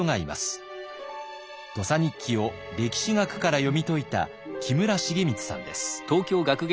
「土佐日記」を歴史学から読み解いた木村茂光さんです。